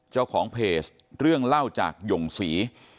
เจ้าของเพจเรื่องเล่าจากหย่งศรี